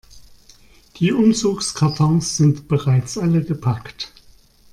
Die Umzugskartons sind bereits alle gepackt.